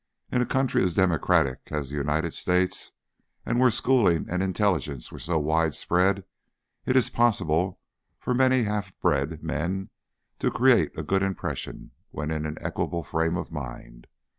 In a country as democratic as the United States and where schooling and intelligence are so widespread, it is possible for many half bred men to create a good impression when in an equable frame of mind.